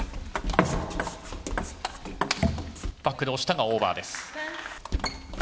バックで押したが、オーバーです。